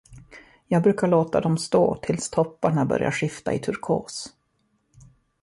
Jag brukar låta dem stå tills topparna börjar skifta i turkos.